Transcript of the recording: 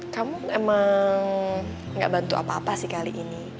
kamu emang gak bantu apa apa sih kali ini